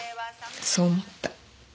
そう思った。